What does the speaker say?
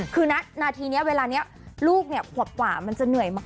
คือนาทีนี้เวลานี้ลูกเนี่ยขวบกว่ามันจะเหนื่อยมาก